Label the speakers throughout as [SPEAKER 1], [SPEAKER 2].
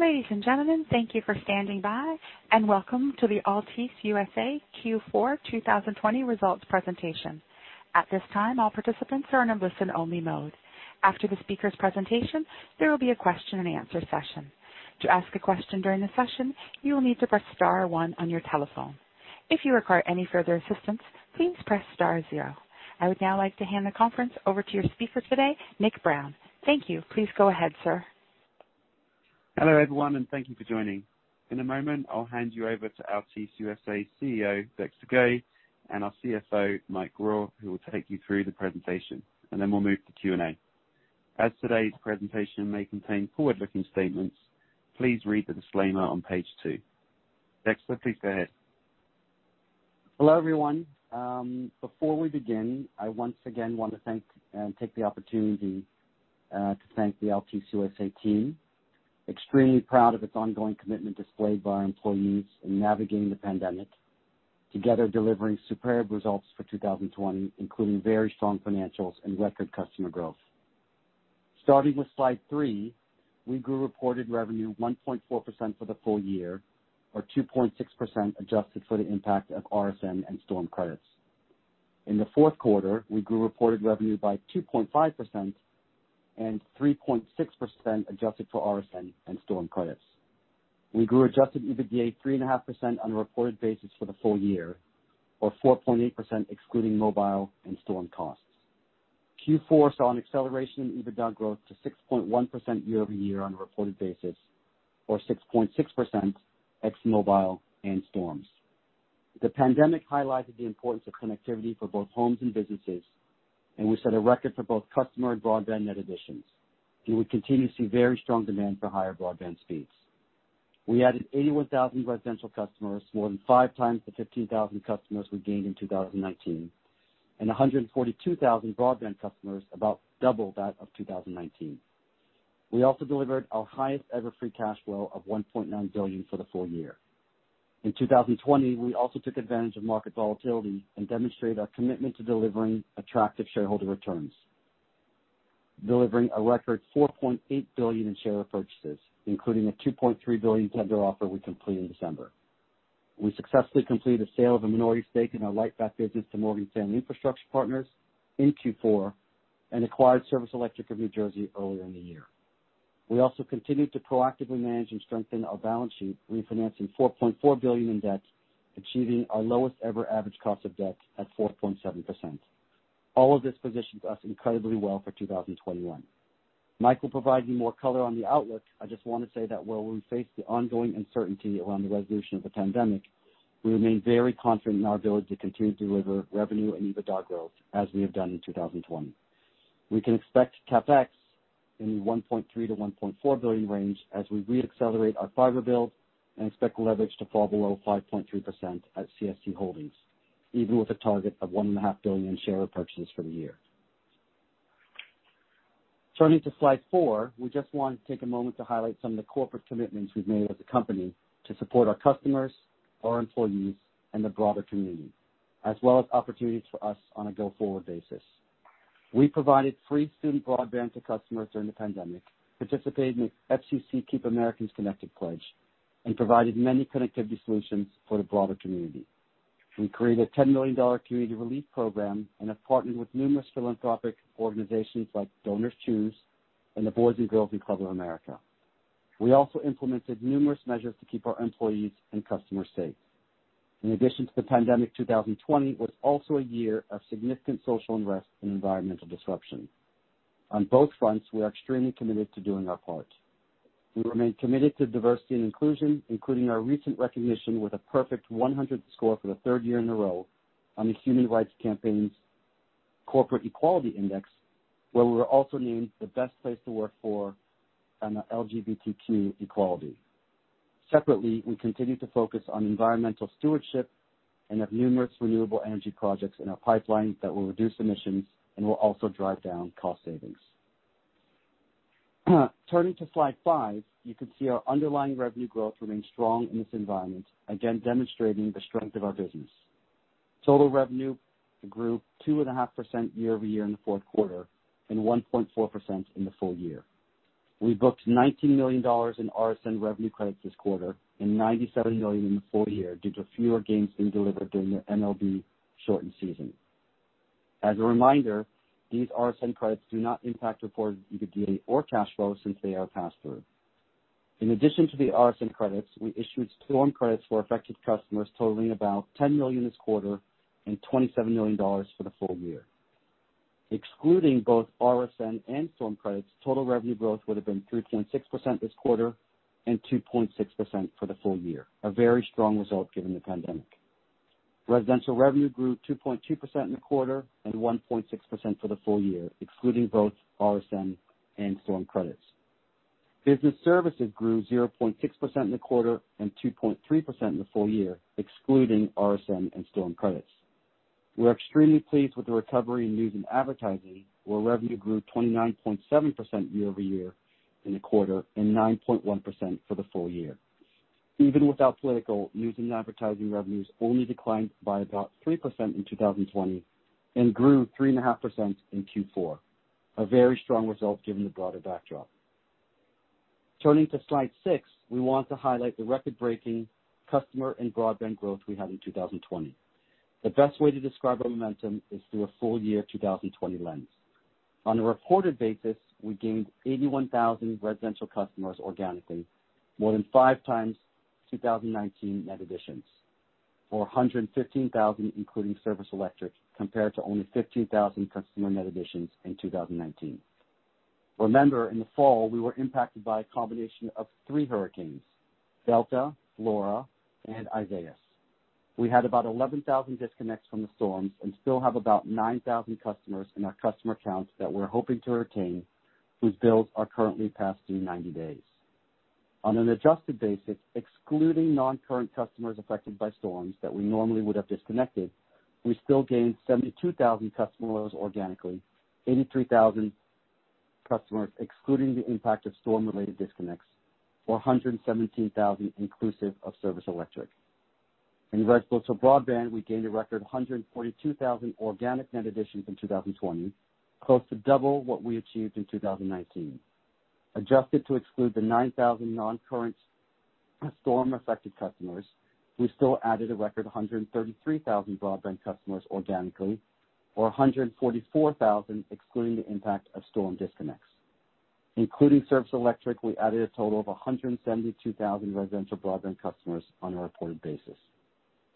[SPEAKER 1] Ladies and gentlemen, thank you for standing by, and welcome to the Altice USA Q4 2020 Results Presentation. At this time, all participants are in a listen-only mode. After the speaker's presentation, there will be a question and answer session. To ask a question during the session, you will need to press star one on your telephone. If you require any further assistance, please press star zero. I would now like to hand the conference over to your speaker today, Nick Brown. Thank you. Please go ahead, sir.
[SPEAKER 2] Hello, everyone, and thank you for joining. In a moment, I'll hand you over to Altice USA CEO, Dexter Goei, and our CFO, Mike Grau, who will take you through the presentation, and then we'll move to Q&A. As today's presentation may contain forward-looking statements, please read the disclaimer on page two. Dexter, please go ahead.
[SPEAKER 3] Hello, everyone. Before we begin, I once again want to thank and take the opportunity to thank the Altice USA team. Extremely proud of its ongoing commitment displayed by our employees in navigating the pandemic, together delivering superb results for 2020, including very strong financials and record customer growth. Starting with slide three, we grew reported revenue 1.4% for the full year, or 2.6% adjusted for the impact of RSN and storm credits. In the fourth quarter, we grew reported revenue by 2.5% and 3.6% adjusted for RSN and storm credits. We grew Adjusted EBITDA 3.5% on a reported basis for the full year, or 4.8%, excluding mobile and storm costs. Q4 saw an acceleration in EBITDA growth to 6.1% year-over-year on a reported basis, or 6.6% ex mobile and storms. The pandemic highlighted the importance of connectivity for both homes and businesses, and we set a record for both customer and broadband net additions, and we continue to see very strong demand for higher broadband speeds. We added 81,000 residential customers, more than five times the 15,000 customers we gained in 2019, and 142,000 broadband customers, about double that of 2019. We also delivered our highest ever free cash flow of $1.9 billion for the full year. In 2020, we also took advantage of market volatility and demonstrated our commitment to delivering attractive shareholder returns, delivering a record $4.8 billion in share purchases, including a $2.3 billion tender offer we completed in December. We successfully completed the sale of a minority stake in our Lightpath business to Morgan Stanley Infrastructure Partners in Q4 and acquired Service Electric of New Jersey earlier in the year. We also continued to proactively manage and strengthen our balance sheet, refinancing $4.4 billion in debt, achieving our lowest ever average cost of debt at 4.7%. All of this positions us incredibly well for 2021. Mike will provide you more color on the outlook. I just want to say that while we face the ongoing uncertainty around the resolution of the pandemic, we remain very confident in our ability to continue to deliver revenue and EBITDA growth as we have done in 2020. We can expect CapEx in the $1.3-$1.4 billion range as we re-accelerate our fiber build and expect leverage to fall below 5.3% at CSC Holdings, even with a target of $1.5 billion in share purchases for the year. Turning to slide 4, we just want to take a moment to highlight some of the corporate commitments we've made as a company to support our customers, our employees, and the broader community, as well as opportunities for us on a go-forward basis. We provided free student broadband to customers during the pandemic, participated in the FCC Keep Americans Connected Pledge, and provided many connectivity solutions for the broader community. We created a $10 million community relief program and have partnered with numerous philanthropic organizations like DonorsChoose and the Boys & Girls Clubs of America. We also implemented numerous measures to keep our employees and customers safe. In addition to the pandemic, 2020 was also a year of significant social unrest and environmental disruption. On both fronts, we are extremely committed to doing our part. We remain committed to diversity and inclusion, including our recent recognition with a perfect 100 score for the third year in a row on the Human Rights Campaign's Corporate Equality Index, where we were also named the best place to work for on the LGBTQ equality. Separately, we continue to focus on environmental stewardship and have numerous renewable energy projects in our pipeline that will reduce emissions and will also drive down cost savings. Turning to slide five, you can see our underlying revenue growth remains strong in this environment, again, demonstrating the strength of our business. Total revenue grew 2.5% year-over-year in the fourth quarter and 1.4% in the full year. We booked $19 million in RSN revenue credits this quarter and $97 million in the full year due to fewer games being delivered during the MLB shortened season. As a reminder, these RSN credits do not impact reported EBITDA or cash flow since they are passed through. In addition to the RSN credits, we issued storm credits for affected customers totaling about $10 million this quarter and $27 million for the full year. Excluding both RSN and storm credits, total revenue growth would have been 3.6% this quarter and 2.6% for the full year, a very strong result given the pandemic. Residential revenue grew 2.2% in the quarter and 1.6% for the full year, excluding both RSN and storm credits. Business services grew 0.6% in the quarter and 2.3% in the full year, excluding RSN and storm credits. We're extremely pleased with the recovery in news and advertising, where revenue grew 29.7% year-over-year in the quarter and 9.1% for the full year... even without political, news and advertising revenues only declined by about 3% in 2020, and grew 3.5% in Q4. A very strong result given the broader backdrop. Turning to slide 6, we want to highlight the record-breaking customer and broadband growth we had in 2020. The best way to describe our momentum is through a full-year 2020 lens. On a reported basis, we gained 81,000 residential customers organically, more than five times 2019 net additions, or 115,000, including Service Electric, compared to only 15,000 customer net additions in 2019. Remember, in the fall, we were impacted by a combination of three hurricanes, Delta, Laura, and Isaias. We had about 11,000 disconnects from the storms and still have about 9,000 customers in our customer counts that we're hoping to retain, whose bills are currently past due 90 days. On an adjusted basis, excluding non-current customers affected by storms that we normally would have disconnected, we still gained 72,000 customers organically, 83,000 customers, excluding the impact of storm-related disconnects, or 117,000 inclusive of Service Electric. In residential broadband, we gained a record 142,000 organic net additions in 2020, close to double what we achieved in 2019. Adjusted to exclude the 9,000 non-current storm-affected customers, we still added a record 133,000 broadband customers organically, or 144,000, excluding the impact of storm disconnects. Including Service Electric, we added a total of 172,000 residential broadband customers on a reported basis.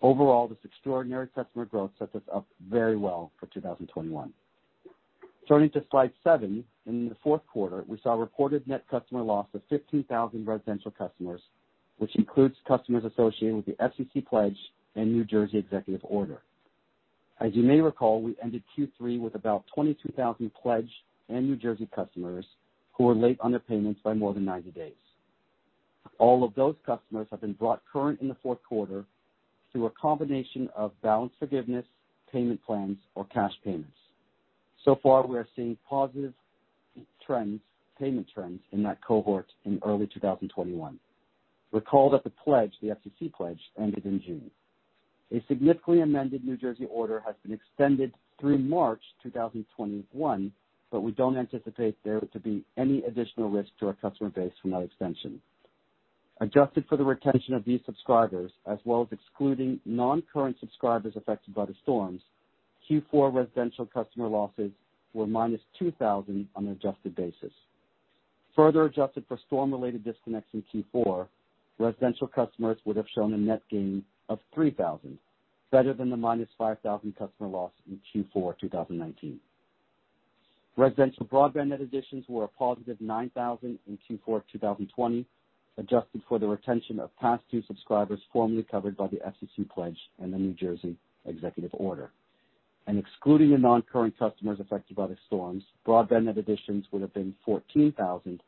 [SPEAKER 3] Overall, this extraordinary customer growth sets us up very well for 2021. Turning to slide seven, in the fourth quarter, we saw a reported net customer loss of fifteen thousand residential customers, which includes customers associated with the FCC pledge and New Jersey executive order. As you may recall, we ended Q3 with about 2021 pledge and New Jersey customers who were late on their payments by more than 90 days. All of those customers have been brought current in the fourth quarter through a combination of balance forgiveness, payment plans, or cash payments. So far, we are seeing positive trends, payment trends in that cohort in early 2021. Recall that the pledge, the FCC pledge, ended in June. A significantly amended New Jersey order has been extended through March 2021, but we don't anticipate there to be any additional risk to our customer base from that extension. Adjusted for the retention of these subscribers, as well as excluding non-current subscribers affected by the storms, Q4 residential customer losses were -2,000 on an adjusted basis. Further adjusted for storm-related disconnects in Q4, residential customers would have shown a net gain of 3,000, better than the -5,000 customer loss in Q4, 2019. Residential broadband net additions were a +9,000 in Q4, 2020, adjusted for the retention of past due subscribers formerly covered by the FCC pledge and the New Jersey executive order, and excluding the non-current customers affected by the storms, broadband net additions would have been 14,000,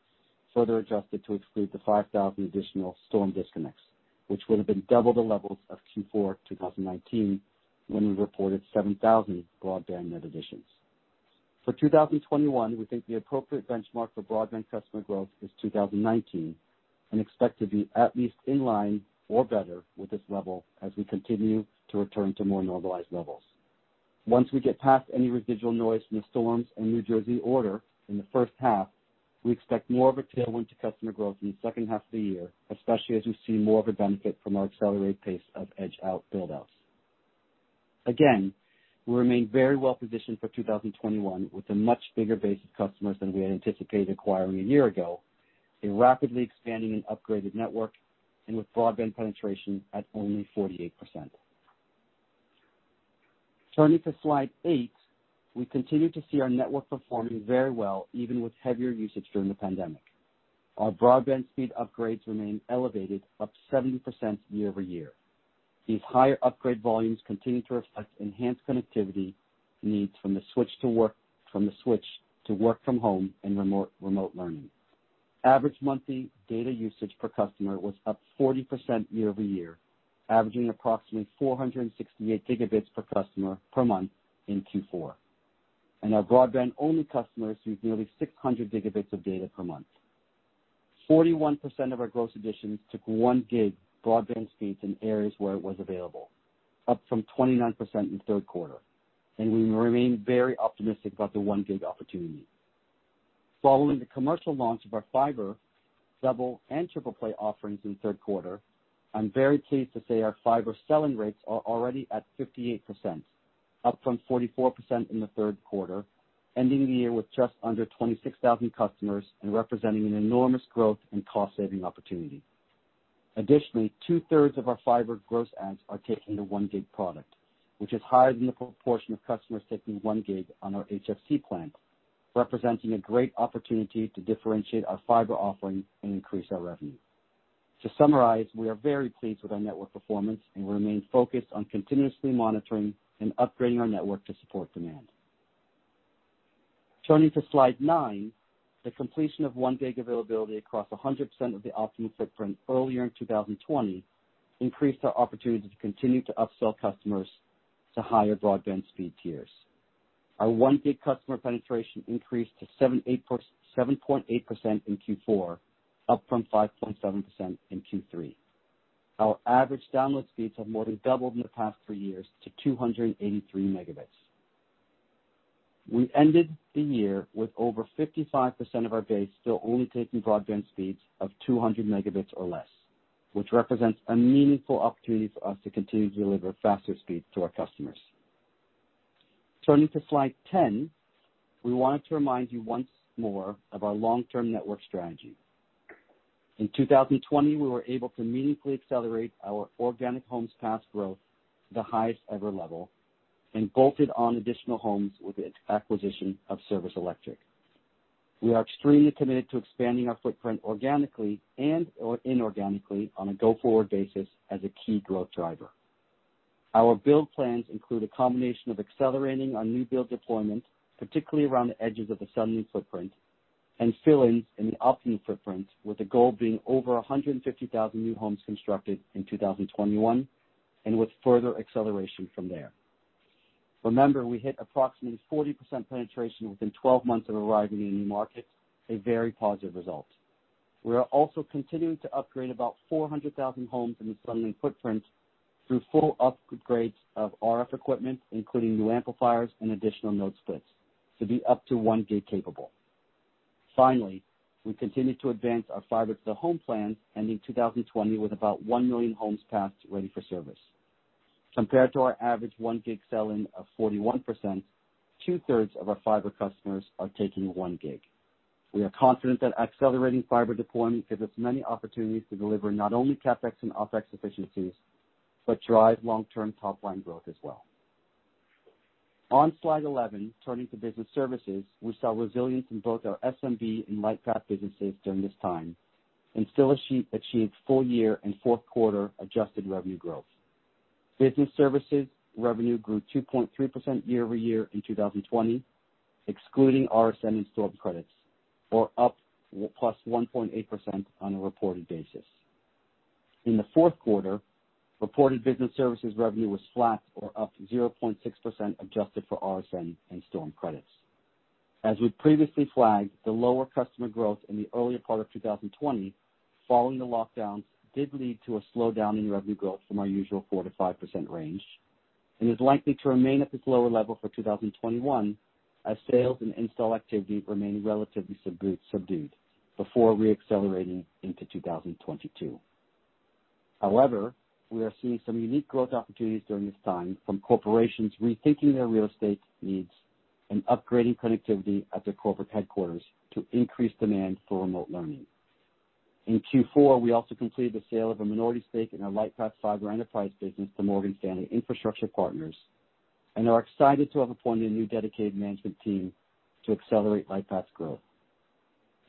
[SPEAKER 3] further adjusted to exclude the 5,000 additional storm disconnects, which would have been double the levels of Q4, 2019, when we reported 7,000 broadband net additions. For 2021, we think the appropriate benchmark for broadband customer growth is 2019, and expect to be at least in line or better with this level as we continue to return to more normalized levels. Once we get past any residual noise from the storms and New Jersey order in the first half, we expect more of a tailwind to customer growth in the second half of the year, especially as we see more of a benefit from our accelerated pace of edge out buildouts. Again, we remain very well positioned for 2021, with a much bigger base of customers than we had anticipated acquiring a year ago, a rapidly expanding and upgraded network, and with broadband penetration at only 48%. Turning to slide eight, we continue to see our network performing very well, even with heavier usage during the pandemic. Our broadband speed upgrades remain elevated, up 70% year-over-year. These higher upgrade volumes continue to reflect enhanced connectivity needs from the switch to work from home and remote learning. Average monthly data usage per customer was up 40% year-over-year, averaging approximately 468 Gb per customer per month in Q4. Our broadband-only customers use nearly 600 Gb of data per month. 41% of our gross additions took one gig broadband speeds in areas where it was available, up from 29% in the third quarter, and we remain very optimistic about the one gig opportunity. Following the commercial launch of our fiber, double, and triple play offerings in the third quarter, I'm very pleased to say our fiber selling rates are already at 58%, up from 44% in the third quarter, ending the year with just under 26,000 customers and representing an enormous growth and cost-saving opportunity. Additionally, two-thirds of our fiber gross adds are taking the one gig product, which is higher than the proportion of customers taking one gig on our HFC plan, representing a great opportunity to differentiate our fiber offering and increase our revenue. To summarize, we are very pleased with our network performance and remain focused on continuously monitoring and upgrading our network to support demand. Turning to slide 9, the completion of 1 gig availability across 100% of the Optimum footprint earlier in 2020 increased our opportunity to continue to upsell customers to higher broadband speed tiers. Our 1 gig customer penetration increased to 7.8% in Q4, up from 5.7% in Q3. Our average download speeds have more than doubled in the past three years to 283 Mb. We ended the year with over 55% of our base still only taking broadband speeds of 200 Mb or less, which represents a meaningful opportunity for us to continue to deliver faster speeds to our customers. Turning to slide 10, we wanted to remind you once more of our long-term network strategy. In 2020, we were able to meaningfully accelerate our organic homes passed growth to the highest ever level and bolted on additional homes with the acquisition of Service Electric. We are extremely committed to expanding our footprint organically and/or inorganically on a go-forward basis as a key growth driver. Our build plans include a combination of accelerating our new build deployment, particularly around the edges of the Suddenlink footprint, and fill-ins in the Altice footprint, with the goal being over 150,000 new homes constructed in 2021, and with further acceleration from there. Remember, we hit approximately 40% penetration within 12 months of arriving in new markets, a very positive result. We are also continuing to upgrade about 400,000 homes in the Suddenlink footprint through full upgrades of RF equipment, including new amplifiers and additional node splits, to be up to 1 gig capable. Finally, we continued to advance our fiber to the home plan, ending 2020 with about 1 million homes passed ready for service. Compared to our average 1 gig sell-in of 41%, two-thirds of our fiber customers are taking 1 gig. We are confident that accelerating fiber deployment gives us many opportunities to deliver not only CapEx and OpEx efficiencies, but drive long-term top-line growth as well. On slide 11, turning to business services, we saw resilience in both our SMB and Lightpath businesses during this time and still achieved full year and fourth quarter adjusted revenue growth. Business services revenue grew 2.3% year-over-year in 2020, excluding RSN and storm credits, or up +1.8% on a reported basis. In the fourth quarter, reported business services revenue was flat or up 0.6% adjusted for RSN and storm credits. As we've previously flagged, the lower customer growth in the earlier part of 2020, following the lockdowns, did lead to a slowdown in revenue growth from our usual 4%-5% range and is likely to remain at this lower level for 2021, as sales and install activity remain relatively subdued before reaccelerating into 2022. However, we are seeing some unique growth opportunities during this time from corporations rethinking their real estate needs and upgrading connectivity at their corporate headquarters to increase demand for remote learning. In Q4, we also completed the sale of a minority stake in our Lightpath Fiber enterprise business to Morgan Stanley Infrastructure Partners, and are excited to have appointed a new dedicated management team to accelerate Lightpath's growth.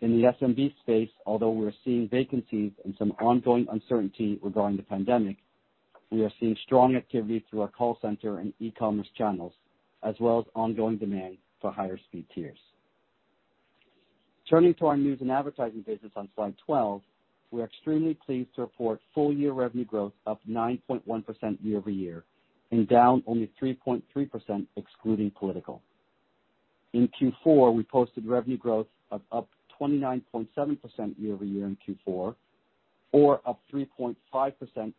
[SPEAKER 3] In the SMB space, although we're seeing vacancies and some ongoing uncertainty regarding the pandemic, we are seeing strong activity through our call center and e-commerce channels, as well as ongoing demand for higher speed tiers. Turning to our news and advertising business on slide 12, we are extremely pleased to report full-year revenue growth up 9.1% year-over-year and down only 3.3% excluding political. In Q4, we posted revenue growth of up 29.7% year-over-year in Q4, or up 3.5%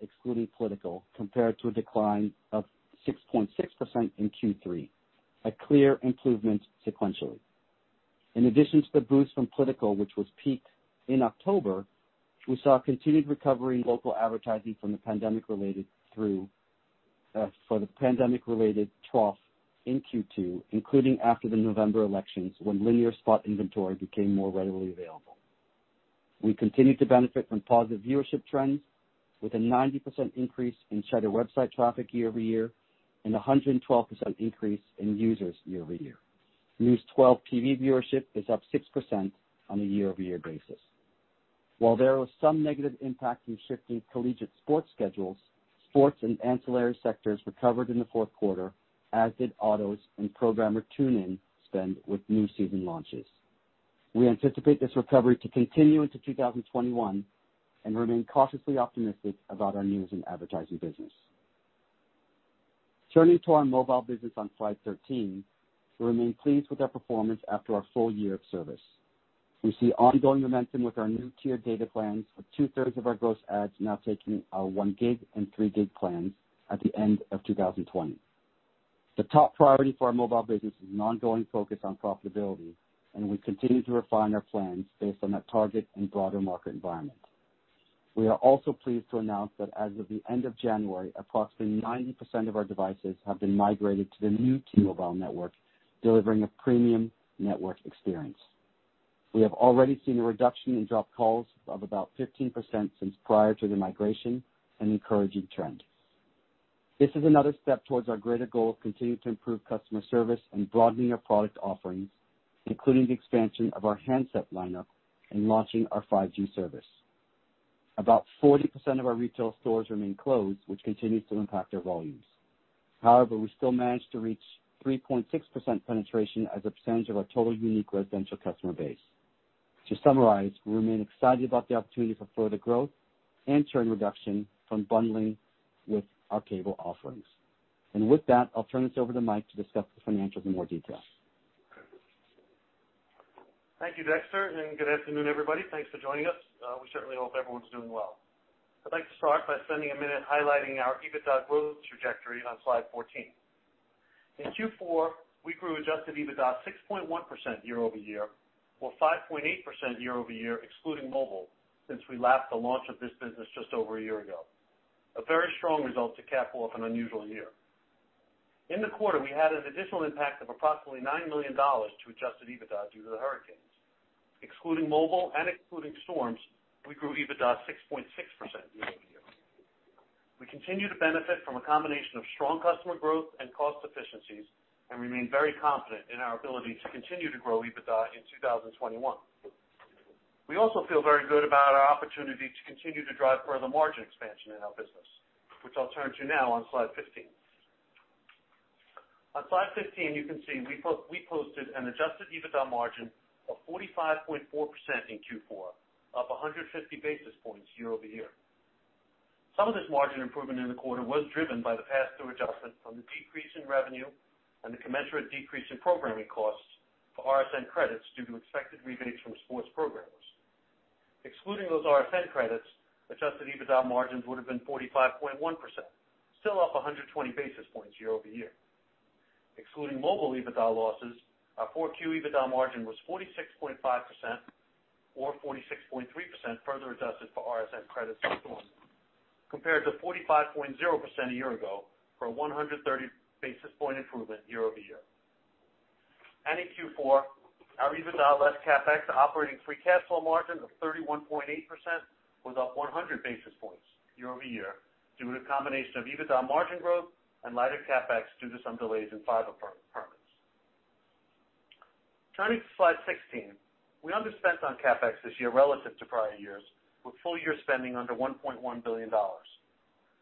[SPEAKER 3] excluding political, compared to a decline of 6.6% in Q3, a clear improvement sequentially. In addition to the boost from political, which was peaked in October, we saw a continued recovery in local advertising from the pandemic-related trough in Q2, including after the November elections, when linear spot inventory became more readily available. We continued to benefit from positive viewership trends, with a 90% increase in Cheddar website traffic year-over-year and a 112% increase in users year-over-year. News 12 TV viewership is up 6% on a year-over-year basis. While there was some negative impact from shifting collegiate sports schedules, sports and ancillary sectors recovered in the fourth quarter, as did autos and programmer tune-in spend with new season launches. We anticipate this recovery to continue into 2021 and remain cautiously optimistic about our news and advertising business. Turning to our mobile business on slide 13, we remain pleased with our performance after our full year of service. We see ongoing momentum with our new tiered data plans, with two-thirds of our gross adds now taking our one gig and three gig plans at the end of 2020. The top priority for our mobile business is an ongoing focus on profitability, and we continue to refine our plans based on that target and broader market environment. We are also pleased to announce that as of the end of January, approximately 90% of our devices have been migrated to the new T-Mobile network, delivering a premium network experience. We have already seen a reduction in dropped calls of about 15% since prior to the migration, an encouraging trend. This is another step towards our greater goal of continuing to improve customer service and broadening our product offerings, including the expansion of our handset lineup and launching our 5G service. About 40% of our retail stores remain closed, which continues to impact our volumes. However, we still managed to reach 3.6% penetration as a percentage of our total unique residential customer base.... To summarize, we remain excited about the opportunity for further growth and churn reduction from bundling with our cable offerings. And with that, I'll turn this over to Mike to discuss the financials in more detail.
[SPEAKER 4] Thank you, Dexter, and good afternoon, everybody. Thanks for joining us. We certainly hope everyone's doing well. I'd like to start by spending a minute highlighting our Adjusted EBITDA growth trajectory on slide 14. In Q4, we grew Adjusted EBITDA 6.1% year-over-year, or 5.8% year-over-year, excluding mobile, since we lapped the launch of this business just over a year ago. A very strong result to cap off an unusual year. In the quarter, we had an additional impact of approximately $9 million to Adjusted EBITDA due to the hurricanes. Excluding mobile and excluding storms, we grew EBITDA 6.6% year-over-year. We continue to benefit from a combination of strong customer growth and cost efficiencies, and remain very confident in our ability to continue to grow EBITDA in 2021. We also feel very good about our opportunity to continue to drive further margin expansion in our business, which I'll turn to now on slide 15. On slide 15, you can see we posted an Adjusted EBITDA margin of 45.4% in Q4, up 150 basis points year-over-year. Some of this margin improvement in the quarter was driven by the pass-through adjustment from the decrease in revenue and the commensurate decrease in programming costs for RSN credits due to expected rebates from sports programmers. Excluding those RSN credits, Adjusted EBITDA margins would have been 45.1%, still up 120 basis points year-over-year. Excluding mobile EBITDA losses, our Q4 EBITDA margin was 46.5% or 46.3% further adjusted for RSN credits and storms, compared to 45.0% a year ago, for a 130 basis point improvement year-over-year. In Q4, our EBITDA less CapEx operating free cash flow margin of 31.8% was up 100 basis points year-over-year, due to a combination of EBITDA margin growth and lighter CapEx due to some delays in fiber permits. Turning to slide 16, we underspent on CapEx this year relative to prior years, with full year spending under $1.1 billion.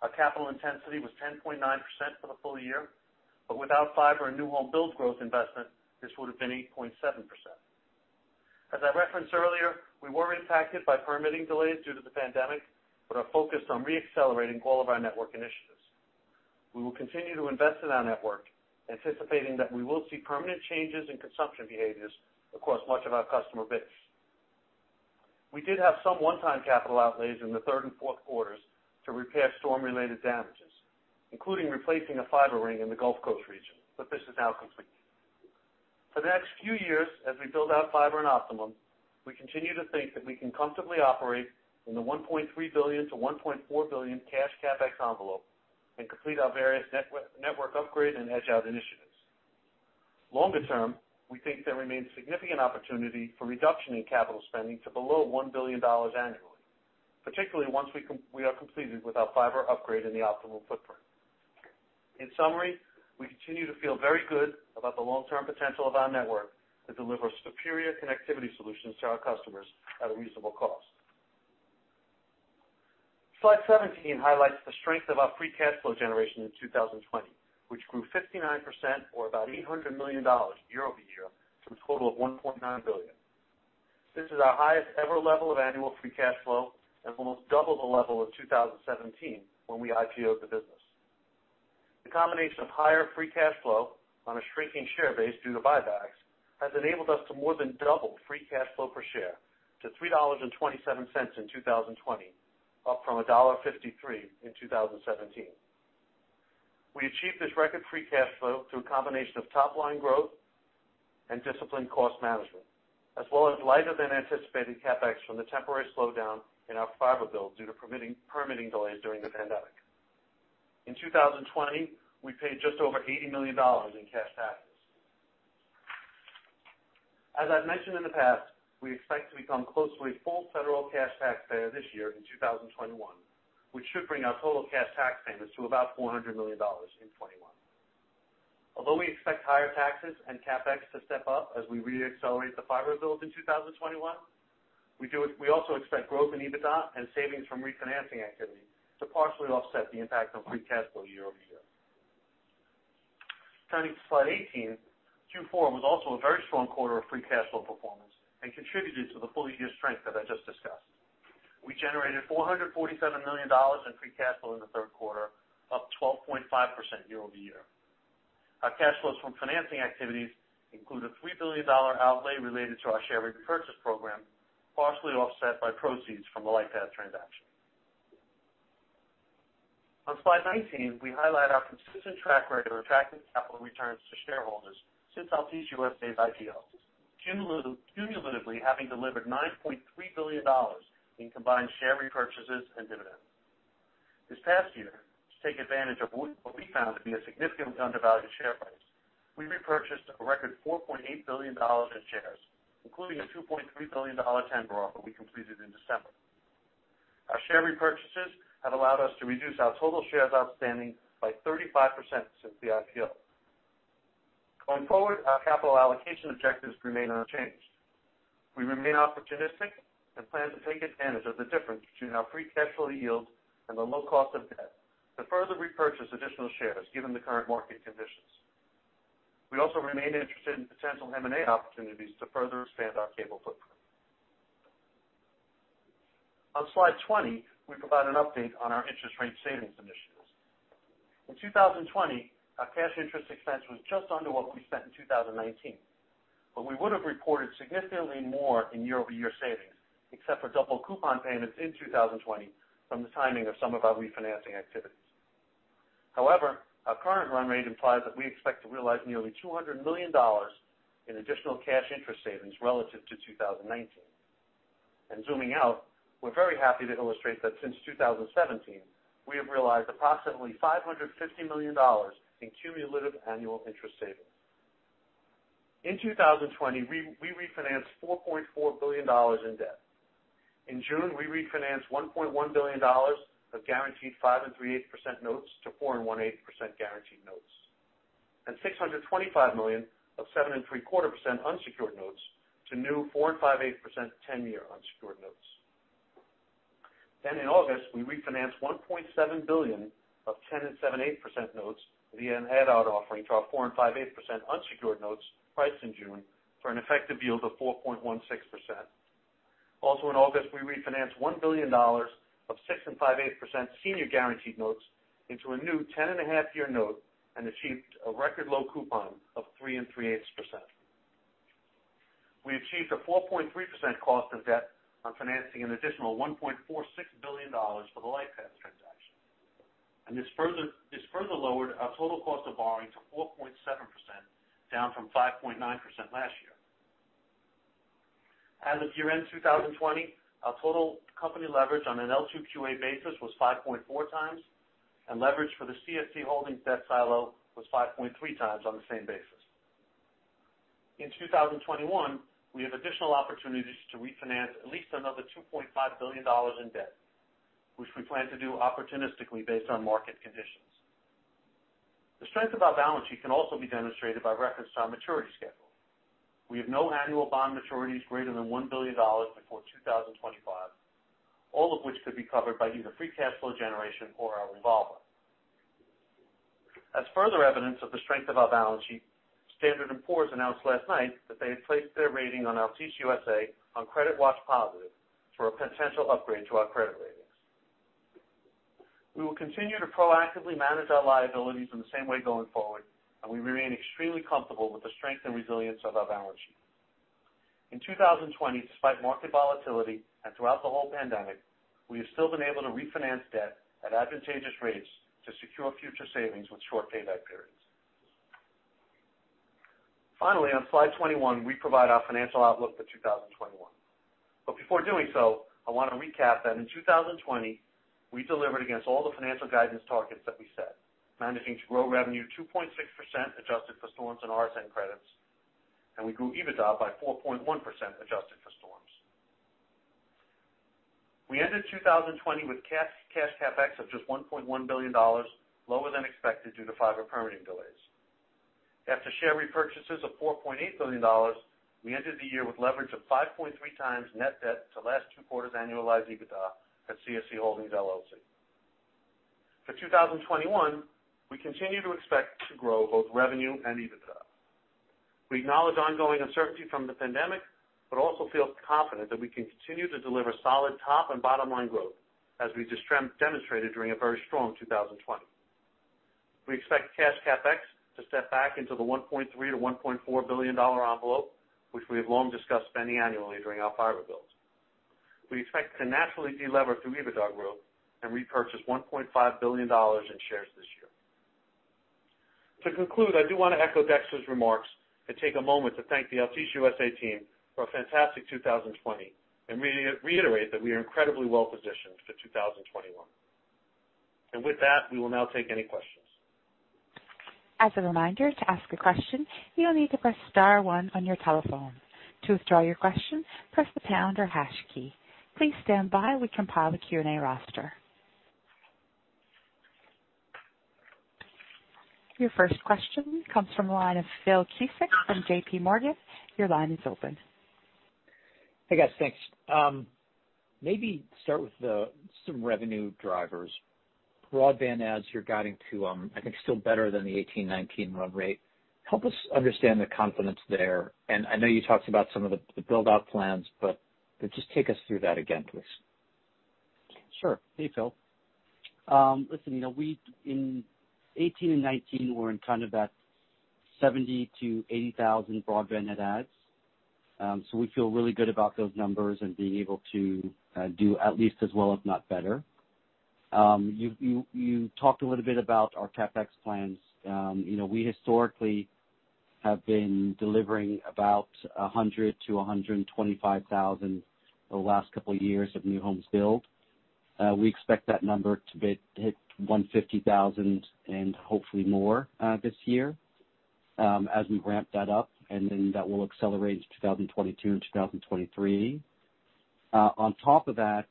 [SPEAKER 4] Our capital intensity was 10.9% for the full year, but without fiber and new home build growth investment, this would have been 8.7%. As I referenced earlier, we were impacted by permitting delays due to the pandemic, but are focused on reaccelerating all of our network initiatives. We will continue to invest in our network, anticipating that we will see permanent changes in consumption behaviors across much of our customer base. We did have some one-time capital outlays in the third and fourth quarters to repair storm-related damages, including replacing a fiber ring in the Gulf Coast region, but this is now complete. For the next few years, as we build out fiber and Optimum, we continue to think that we can comfortably operate in the $1.3 billion-$1.4 billion cash CapEx envelope and complete our various network upgrade and edge out initiatives. Longer term, we think there remains significant opportunity for reduction in capital spending to below $1 billion annually, particularly once we are completed with our fiber upgrade in the Optimum footprint. In summary, we continue to feel very good about the long-term potential of our network to deliver superior connectivity solutions to our customers at a reasonable cost. Slide 17 highlights the strength of our free cash flow generation in 2020, which grew 59% or about $800 million year-over-year to a total of $1.9 billion. This is our highest ever level of annual free cash flow and almost double the level of 2017 when we IPO'd the business. The combination of higher free cash flow on a shrinking share base due to buybacks, has enabled us to more than double free cash flow per share to $3.27 in 2020, up from $1.53 in 2017. We achieved this record free cash flow through a combination of top-line growth and disciplined cost management, as well as lighter than anticipated CapEx from the temporary slowdown in our fiber build due to permitting, permitting delays during the pandemic. In 2020, we paid just over $80 million in cash taxes. As I've mentioned in the past, we expect to become closely full federal cash taxpayer this year in 2021, which should bring our total cash tax payments to about $400 million in 2021. Although we expect higher taxes and CapEx to step up as we reaccelerate the fiber build in 2021, we also expect growth in EBITDA and savings from refinancing activity to partially offset the impact on free cash flow year-over-year. Turning to slide 18, Q4 was also a very strong quarter of free cash flow performance and contributed to the full year strength that I just discussed. We generated $447 million in free cash flow in the third quarter, up 12.5% year-over-year. Our cash flows from financing activities include a $3 billion outlay related to our share repurchase program, partially offset by proceeds from the Lightpath transaction. On slide nineteen, we highlight our consistent track record of attracting capital returns to shareholders since Altice USA's IPO, cumulatively having delivered $9.3 billion in combined share repurchases and dividends. This past year, to take advantage of what we found to be a significantly undervalued share price, we repurchased a record $4.8 billion in shares, including a $2.3 billion dollar tender offer we completed in December. Our share repurchases have allowed us to reduce our total shares outstanding by 35% since the IPO. Going forward, our capital allocation objectives remain unchanged. We remain opportunistic and plan to take advantage of the difference between our free cash flow yields and the low cost of debt to further repurchase additional shares, given the current market conditions... We also remain interested in potential M&A opportunities to further expand our cable footprint. On Slide 20, we provide an update on our interest rate savings initiatives. In 2020, our cash interest expense was just under what we spent in 2019, but we would have reported significantly more in year-over-year savings, except for double coupon payments in 2020 from the timing of some of our refinancing activities. However, our current run rate implies that we expect to realize nearly $200 million in additional cash interest savings relative to 2019. And zooming out, we're very happy to illustrate that since two thousand and seventeen, we have realized approximately $550 million in cumulative annual interest savings. In 2020, we refinanced $4.4 billion in debt. In June, we refinanced $1.1 billion of guaranteed 5.375% notes to 4.125% guaranteed notes, and $625 million of 7.75% unsecured notes to new 4.625% ten-year unsecured notes. Then in August, we refinanced $1.7 billion of 10.75% notes via an add-on offering to our 4.625% unsecured notes priced in June for an effective yield of 4.16%. Also, in August, we refinanced $1 billion of 6.625% senior guaranteed notes into a new 10.5-year note and achieved a record low coupon of 3.375%. We achieved a 4.3% cost of debt on financing an additional $1.46 billion for the Lightpath transaction, and this further lowered our total cost of borrowing to 4.7%, down from 5.9% last year. As of year-end 2020, our total company leverage on an L2QA basis was 5.4x, and leverage for the CSC Holdings debt silo was 5.3x on the same basis. In 2021, we have additional opportunities to refinance at least another $2.5 billion in debt, which we plan to do opportunistically based on market conditions. The strength of our balance sheet can also be demonstrated by reference to our maturity schedule. We have no annual bond maturities greater than $1 billion before 2025, all of which could be covered by either free cash flow generation or our revolver. As further evidence of the strength of our balance sheet, Standard & Poor's announced last night that they had placed their rating on Altice USA on credit watch positive for a potential upgrade to our credit ratings. We will continue to proactively manage our liabilities in the same way going forward, and we remain extremely comfortable with the strength and resilience of our balance sheet. In 2020, despite market volatility and throughout the whole pandemic, we have still been able to refinance debt at advantageous rates to secure future savings with short payback periods. Finally, on Slide 21, we provide our financial outlook for 2021. But before doing so, I want to recap that in 2020, we delivered against all the financial guidance targets that we set, managing to grow revenue 2.6%, adjusted for storms and RSN credits, and we grew EBITDA by 4.1%, adjusted for storms. We ended 2020 with cash, cash CapEx of just $1.1 billion, lower than expected due to fiber permitting delays. After share repurchases of $4.8 billion, we ended the year with leverage of 5.3x net debt to last two quarters, annualized EBITDA at CSC Holdings, LLC. For 2021 we continue to expect to grow both revenue and EBITDA. We acknowledge ongoing uncertainty from the pandemic, but also feel confident that we can continue to deliver solid top and bottom line growth, as we just demonstrated during a very strong 2020. We expect cash CapEx to step back into the $1.3-$1.4 billion envelope, which we have long discussed spending annually during our fiber builds. We expect to naturally delever through EBITDA growth and repurchase $1.5 billion in shares this year. To conclude, I do want to echo Dexter's remarks and take a moment to thank the Altice USA team for a fantastic 2020, and reiterate that we are incredibly well positioned for 2021. With that, we will now take any questions.
[SPEAKER 1] As a reminder, to ask a question, you'll need to press star one on your telephone. To withdraw your question, press the pound or hash key. Please stand by while we compile the Q&A roster. Your first question comes from the line of Phil Cusick from JPMorgan. Your line is open.
[SPEAKER 5] Hey, guys, thanks. Maybe start with some revenue drivers. Broadband adds, you're guiding to, I think still better than the eighteen, nineteen run rate. Help us understand the confidence there, and I know you talked about some of the build-out plans, but just take us through that again, please.
[SPEAKER 3] Sure. Hey, Phil. Listen, you know, we in 2018 and 2019 were in kind of that 70,000-80,000 broadband net adds. So we feel really good about those numbers and being able to do at least as well, if not better. You talked a little bit about our CapEx plans. You know, we historically have been delivering about 100,000-125,000 over the last couple of years of new homes built. We expect that number to hit 150,000 and hopefully more this year as we ramp that up, and then that will accelerate into 2022 and 2023. On top of that,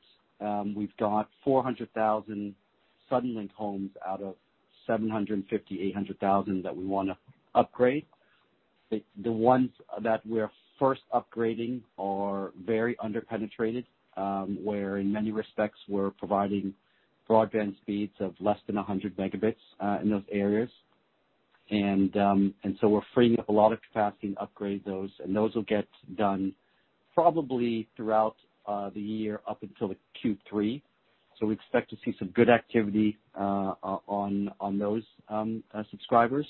[SPEAKER 3] we've got 400,000 Suddenlink homes out of 750,000-800,000 that we wanna upgrade. The ones that we're first upgrading are very under-penetrated, where in many respects, we're providing broadband speeds of less than 100 Mb in those areas. And so we're freeing up a lot of capacity to upgrade those, and those will get done probably throughout the year up until the Q3. So we expect to see some good activity on those subscribers.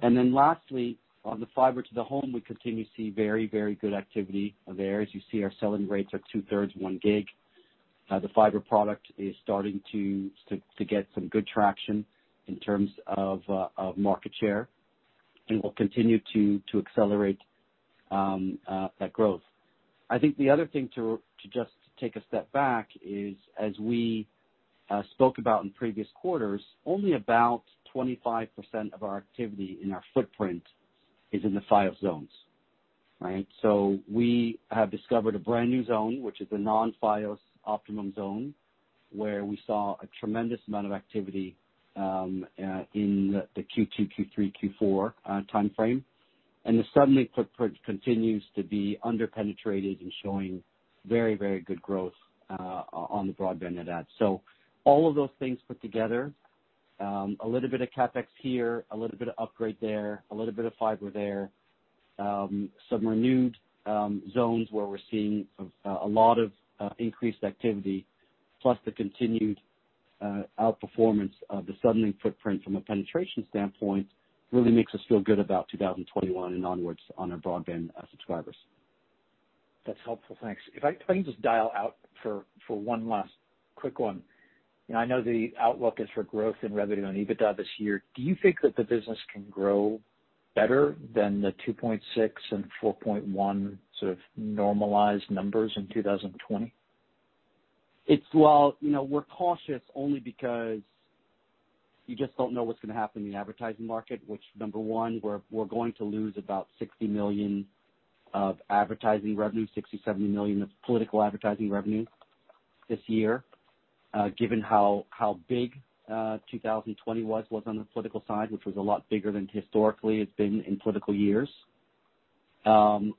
[SPEAKER 3] And then lastly, on the fiber to the home, we continue to see very, very good activity there. As you see, our selling rates are two-thirds, one gig. The fiber product is starting to get some good traction in terms of market share, and we'll continue to accelerate that growth. I think the other thing to just take a step back is, as we spoke about in previous quarters, only about 25% of our activity in our footprint is in the Fios zones, right? So we have discovered a brand new zone, which is the non-Fios Optimum zone, where we saw a tremendous amount of activity in the Q2, Q3, Q4 timeframe. And the Suddenlink footprint continues to be under-penetrated and showing very, very good growth on the broadband internet. So all of those things put together, a little bit of CapEx here, a little bit of upgrade there, a little bit of fiber there, some renewed zones where we're seeing a lot of increased activity, plus the continued outperformance of the Suddenlink footprint from a penetration standpoint, really makes us feel good about 2021 and onwards on our broadband subscribers.
[SPEAKER 5] That's helpful. Thanks. If I can just pile on for one last quick one. You know, I know the outlook is for growth in revenue and EBITDA this year. Do you think that the business can grow better than the 2.6 and 4.1 sort of normalized numbers in 2020?
[SPEAKER 3] Well, you know, we're cautious only because you just don't know what's gonna happen in the advertising market, which, number one, we're going to lose about $60 million of advertising revenue, $60-$70 million of political advertising revenue this year, given how big 2020 was on the political side, which was a lot bigger than historically it's been in political years.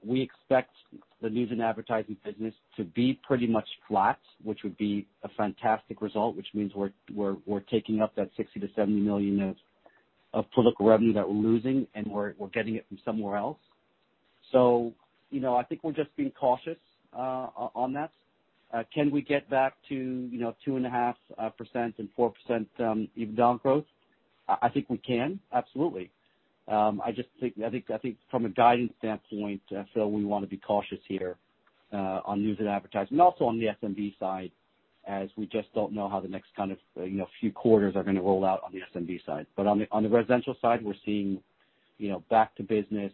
[SPEAKER 3] We expect the news and advertising business to be pretty much flat, which would be a fantastic result, which means we're taking up that $60-$70 million of political revenue that we're losing, and we're getting it from somewhere else. So, you know, I think we're just being cautious on that. Can we get back to, you know, 2.5% and 4% EBITDA growth? I think we can, absolutely. I just think from a guidance standpoint, Phil, we want to be cautious here on news and advertising, and also on the SMB side, as we just don't know how the next kind of, you know, few quarters are gonna roll out on the SMB side. But on the residential side, we're seeing, you know, back to business,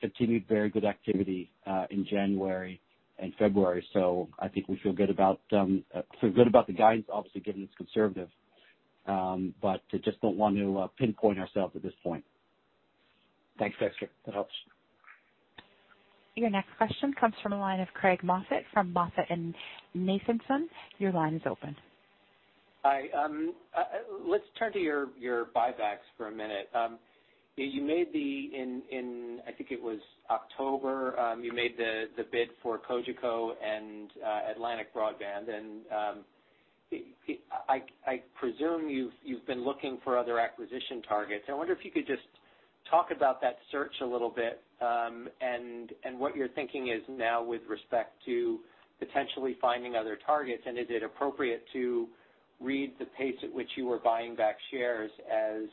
[SPEAKER 3] continued very good activity in January and February. So I think we feel good about the guidance, obviously, given it's conservative, but I just don't want to pinpoint ourselves at this point.
[SPEAKER 5] Thanks, Dexter. That helps.
[SPEAKER 1] Your next question comes from the line of Craig Moffett from MoffettNathanson. Your line is open.
[SPEAKER 6] Hi. Let's turn to your buybacks for a minute. You made the bid for Cogeco and Atlantic Broadband in, I think it was October. I presume you've been looking for other acquisition targets. I wonder if you could just talk about that search a little bit, and what your thinking is now with respect to potentially finding other targets. Is it appropriate to read the pace at which you were buying back shares as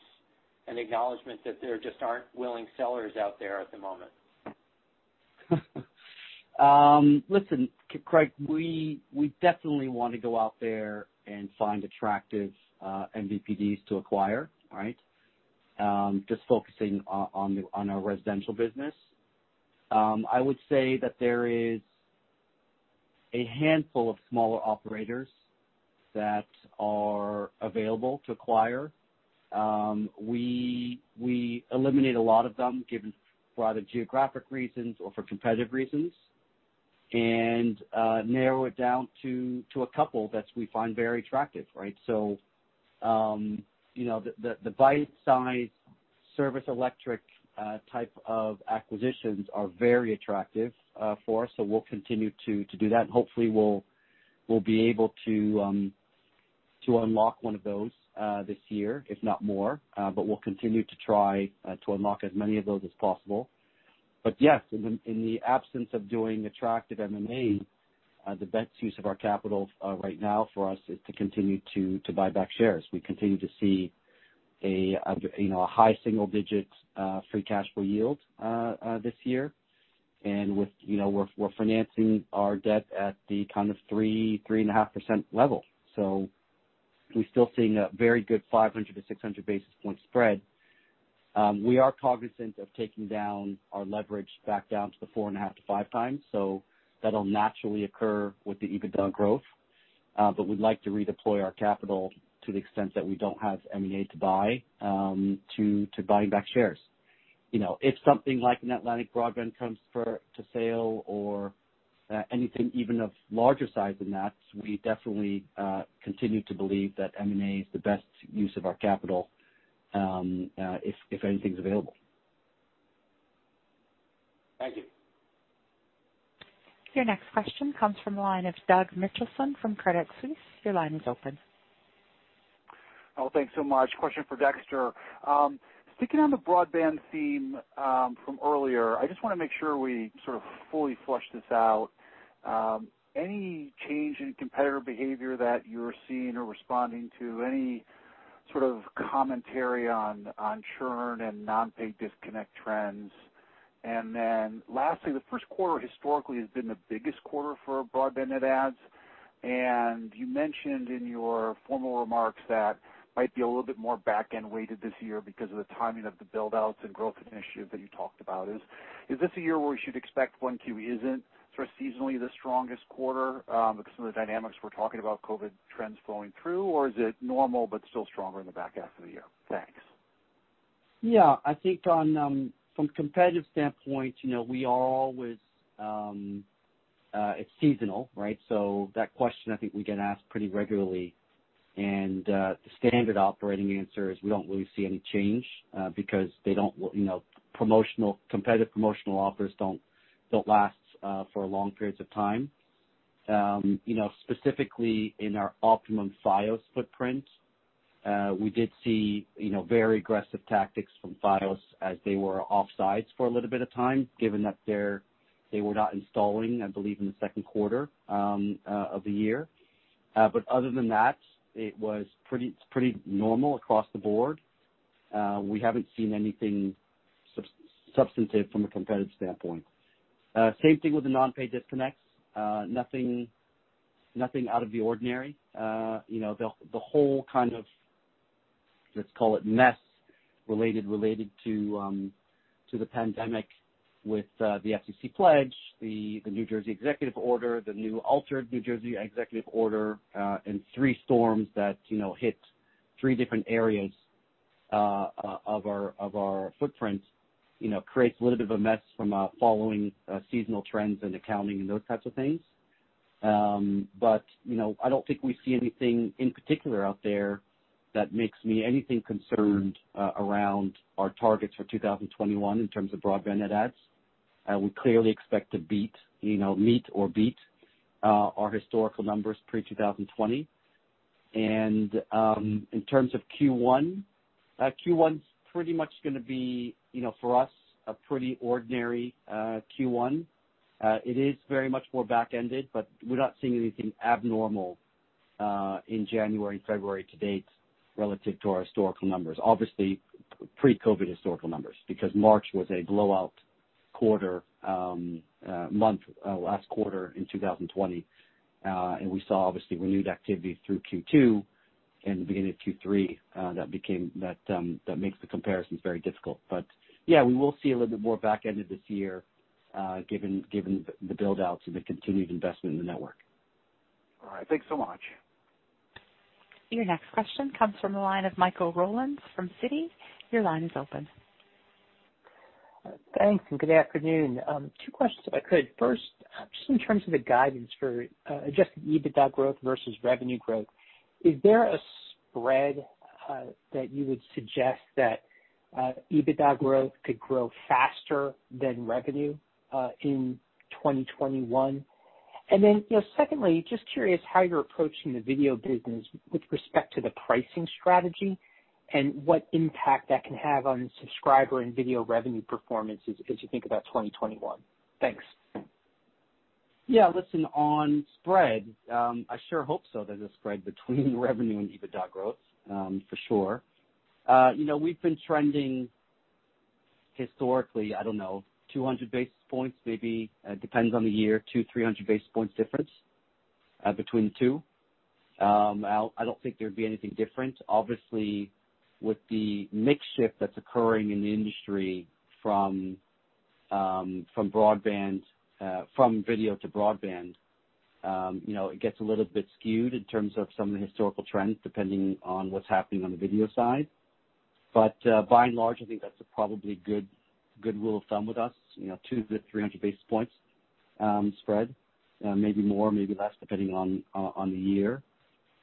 [SPEAKER 6] an acknowledgment that there just aren't willing sellers out there at the moment?
[SPEAKER 3] Listen, Craig, we definitely want to go out there and find attractive MVPDs to acquire, right? Just focusing on our residential business. I would say that there is a handful of smaller operators that are available to acquire. We eliminate a lot of them, given for either geographic reasons or for competitive reasons, and narrow it down to a couple that we find very attractive, right? So, you know, the bite-size Service Electric type of acquisitions are very attractive for us, so we'll continue to do that. Hopefully, we'll be able to unlock one of those this year, if not more, but we'll continue to try to unlock as many of those as possible. But yes, in the absence of doing attractive M&A, the best use of our capital right now for us is to continue to buy back shares. We continue to see a, you know, a high single digits free cash flow yield this year. And with, you know, we're financing our debt at the kind of 3-3.5% level, so we're still seeing a very good 500-600 basis point spread. We are cognizant of taking down our leverage back down to the 4.5-5x, so that'll naturally occur with the EBITDA growth. But we'd like to redeploy our capital to the extent that we don't have M&A to buy to buying back shares. You know, if something like an Atlantic Broadband comes up for sale or anything even of larger size than that, we definitely continue to believe that M&A is the best use of our capital, if anything's available.
[SPEAKER 6] Thank you.
[SPEAKER 1] Your next question comes from the line of Doug Mitchelson from Credit Suisse. Your line is open.
[SPEAKER 7] Oh, thanks so much. Question for Dexter. Sticking on the broadband theme, from earlier, I just wanna make sure we sort of fully flesh this out. Any change in competitor behavior that you're seeing or responding to, any sort of commentary on churn and non-pay disconnect trends? And then lastly, the first quarter historically has been the biggest quarter for broadband net adds, and you mentioned in your formal remarks that might be a little bit more back-end weighted this year because of the timing of the build-outs and growth initiative that you talked about. Is this a year where we should expect one Q isn't sort of seasonally the strongest quarter, because some of the dynamics we're talking about COVID trends flowing through, or is it normal but still stronger in the back half of the year? Thanks.
[SPEAKER 3] Yeah, I think on from competitive standpoint, you know, we always, it's seasonal, right? So that question I think we get asked pretty regularly, and the standard operating answer is we don't really see any change, because they don't, you know, competitive promotional offers don't last for long periods of time. You know, specifically in our Optimum Fios footprint, we did see, you know, very aggressive tactics from Fios as they were off sites for a little bit of time, given that they were not installing, I believe, in the second quarter of the year. But other than that, it's pretty normal across the board. We haven't seen anything substantive from a competitive standpoint. Same thing with the non-pay disconnects. Nothing out of the ordinary. You know, the whole kind of, let's call it, mess related to the pandemic with the FCC pledge, the New Jersey executive order, the new altered New Jersey executive order, and three storms that, you know, hit three different areas of our footprint, you know, creates a little bit of a mess from following seasonal trends and accounting and those types of things. But, you know, I don't think we see anything in particular out there that makes me anything concerned around our targets for 2021 in terms of broadband net adds. We clearly expect to beat, you know, meet or beat our historical numbers pre-2020. In terms of Q1, Q1's pretty much gonna be, you know, for us, a pretty ordinary Q1. It is very much more back-ended, but we're not seeing anything abnormal in January, February to date, relative to our historical numbers. Obviously, pre-COVID historical numbers, because March was a blowout quarter, month last quarter in 2020. We saw obviously renewed activity through Q2 and the beginning of Q3, that makes the comparisons very difficult. Yeah, we will see a little bit more back-ended this year, given the build-outs and the continued investment in the network.
[SPEAKER 7] All right. Thanks so much.
[SPEAKER 1] Your next question comes from the line of Michael Rollins from Citi. Your line is open.
[SPEAKER 8] Thanks, and good afternoon. Two questions, if I could. First, just in terms of the guidance for Adjusted EBITDA growth versus revenue growth, is there a spread that you would suggest that EBITDA growth could grow faster than revenue in twenty twenty-one, and then, you know, secondly, just curious how you're approaching the video business with respect to the pricing strategy and what impact that can have on subscriber and video revenue performances as you think about 2021. Thanks.
[SPEAKER 3] Yeah, listen, on spread, I sure hope so, there's a spread between revenue and EBITDA growth, for sure. You know, we've been trending historically, I don't know, 100 basis points, maybe, depends on the year, 2-300 hundred basis points difference, between the two. I don't think there'd be anything different. Obviously, with the mix shift that's occurring in the industry from video to broadband, you know, it gets a little bit skewed in terms of some of the historical trends, depending on what's happening on the video side. But, by and large, I think that's probably a good rule of thumb with us, you know, two to three hundred basis points, spread, maybe more, maybe less, depending on the year.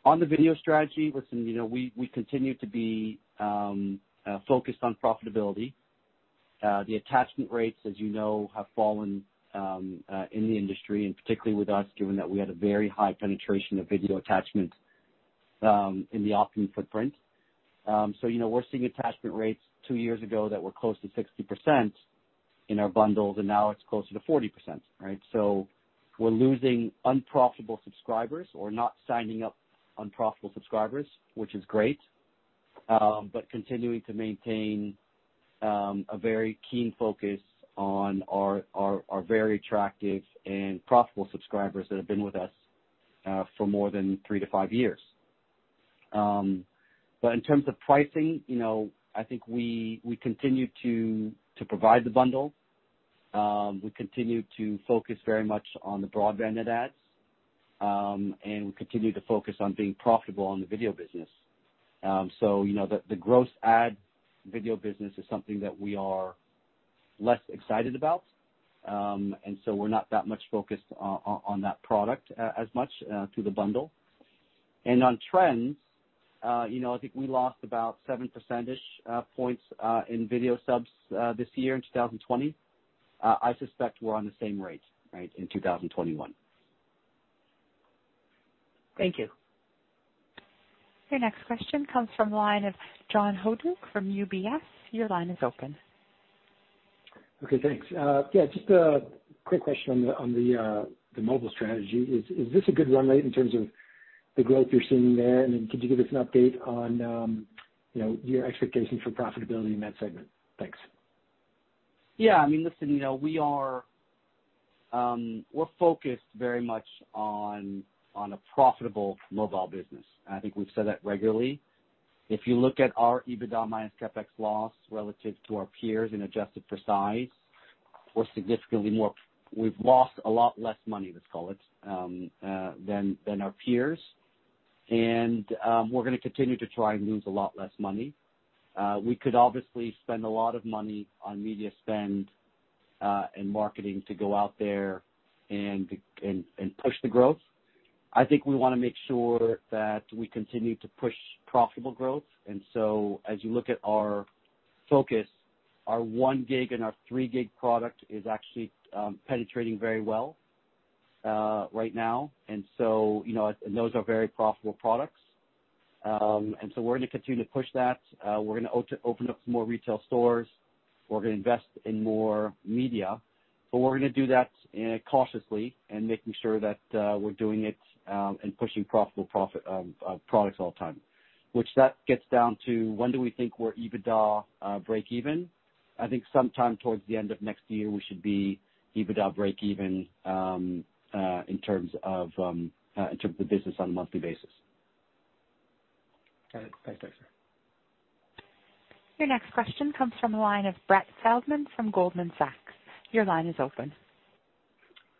[SPEAKER 3] On the video strategy, listen, you know, we continue to be focused on profitability. The attachment rates, as you know, have fallen in the industry, and particularly with us, given that we had a very high penetration of video attachment in the Optimum footprint. So, you know, we're seeing attachment rates two years ago that were close to 60% in our bundles, and now it's closer to 40%, right? So we're losing unprofitable subscribers or not signing up unprofitable subscribers, which is great, but continuing to maintain a very keen focus on our very attractive and profitable subscribers that have been with us for more than three to five years. But in terms of pricing, you know, I think we continue to provide the bundle. We continue to focus very much on the broadband net adds and we continue to focus on being profitable on the video business. You know, the gross add video business is something that we are less excited about, and so we're not that much focused on that product as much through the bundle. On trends, you know, I think we lost about 7 percentage points in video subs this year in 2020. I suspect we're on the same rate, right, in 2021.
[SPEAKER 8] Thank you.
[SPEAKER 1] Your next question comes from the line of John Hodulik from UBS. Your line is open.
[SPEAKER 9] Okay, thanks. Yeah, just a quick question on the mobile strategy. Is this a good run rate in terms of the growth you're seeing there? And then could you give us an update on, you know, your expectations for profitability in that segment? Thanks.
[SPEAKER 3] Yeah, I mean, listen, you know, we are, we're focused very much on a profitable mobile business, and I think we've said that regularly. If you look at our EBITDA minus CapEx loss relative to our peers and adjusted for size, we're significantly more. We've lost a lot less money, let's call it, than our peers. And we're gonna continue to try and lose a lot less money. We could obviously spend a lot of money on media spend and marketing to go out there and push the growth. I think we wanna make sure that we continue to push profitable growth. And so as you look at our focus, our one gig and our three gig product is actually penetrating very well right now. And so, you know, and those are very profitable products. And so we're going to continue to push that. We're gonna open up some more retail stores. We're gonna invest in more media, but we're gonna do that cautiously and making sure that we're doing it and pushing profitable profit products all the time. Which that gets down to when do we think we're EBITDA breakeven? I think sometime towards the end of next year, we should be EBITDA breakeven in terms of the business on a monthly basis.
[SPEAKER 9] Got it. Thanks, Dexter.
[SPEAKER 1] Your next question comes from the line of Brett Feldman from Goldman Sachs. Your line is open.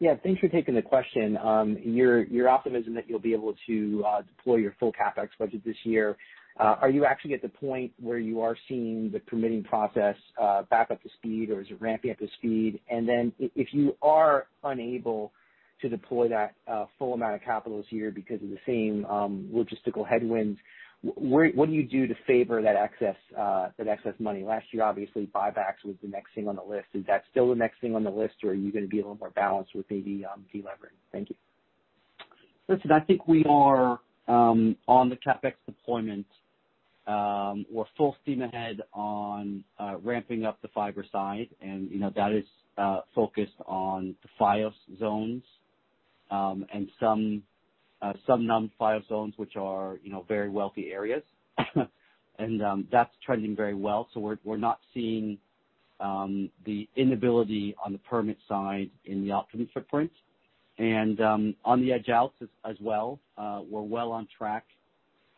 [SPEAKER 10] Yeah, thanks for taking the question. Your optimism that you'll be able to deploy your full CapEx budget this year, are you actually at the point where you are seeing the permitting process back up to speed, or is it ramping up to speed? And then if you are unable to deploy that full amount of capital this year because of the same logistical headwinds, what do you do to favor that excess money? Last year, obviously, buybacks was the next thing on the list. Is that still the next thing on the list, or are you gonna be a little more balanced with maybe delevering? Thank you.
[SPEAKER 3] Listen, I think we are on the CapEx deployment. We're full steam ahead on ramping up the fiber side, and you know that is focused on the Fios zones and some non-Fios zones, which are you know very wealthy areas. And that's trending very well, so we're not seeing the inability on the permit side in the Optimum footprint. And on the edge outs as well, we're well on track